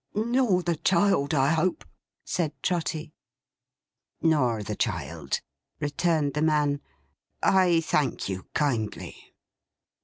'Nor the child, I hope?' said Trotty. 'Nor the child,' returned the man. 'I thank you kindly.